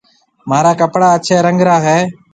مهارا ڪپڙا اڇهيَ رنگ را هيَ۔